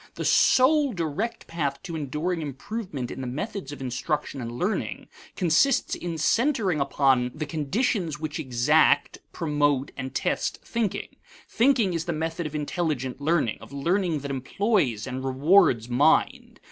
The sole direct path to enduring improvement in the methods of instruction and learning consists in centering upon the conditions which exact, promote, and test thinking. Thinking is the method of intelligent learning, of learning that employs and rewards mind.